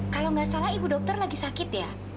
kalau nggak salah ibu dokter lagi sakit ya